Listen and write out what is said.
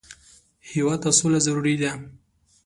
هېواد ته سوله ضروري ده